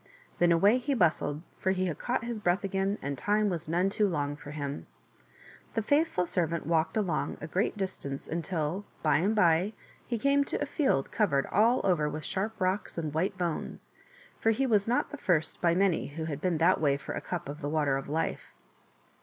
Then away he bustled, for he had caught his breath again, and time was none too long for him. The faithful servant walked along a great distance until, bv and by, he ^}ft0i)i^Wfiib flMtoit^&Mftil^nlionf. came to a field covered all over with sharp rocks and white bones, for he was not the first by many who had been that way for a cup of the Water of Life.